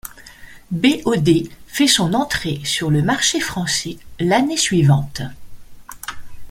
BoD fait son entrée sur le marché français l'année suivante.